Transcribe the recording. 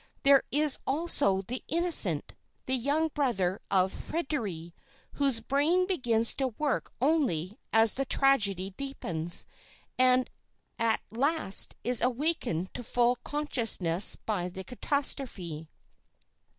There is also the Innocent, the young brother of Fréderi, whose brain begins to work only as the tragedy deepens, and at last is awakened to full consciousness by the catastrophe."